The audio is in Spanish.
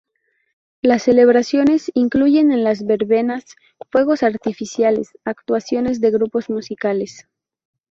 Las celebraciones incluyen en las verbenas fuegos artificiales, actuaciones de grupos musicales.